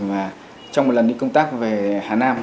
và trong một lần đi công tác về hà nam